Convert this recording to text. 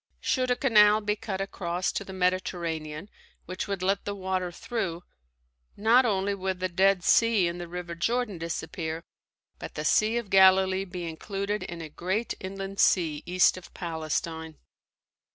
Should a canal be cut across to the Mediterranean which would let the water through, not only would the Dead Sea and the River Jordan disappear, but the Sea of Galilee be included in a great inland sea east of Palestine.